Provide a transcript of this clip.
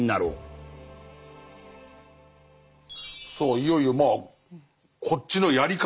いよいよまあこっちのやり方